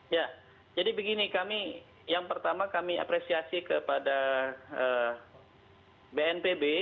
ya jadi begini kami yang pertama kami apresiasi kepada bnpb